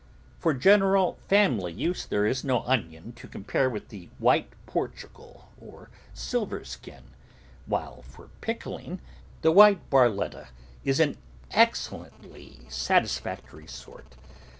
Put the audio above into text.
For general family use there is no onion to com pare with the White Portugal or Silver Skin, while for pickling, the white B arietta is an exceed ingly satisfactory sort.